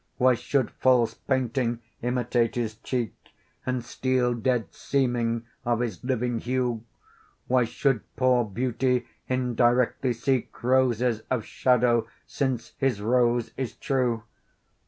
Why should false painting imitate his cheek, And steel dead seeming of his living hue? Why should poor beauty indirectly seek Roses of shadow, since his rose is true?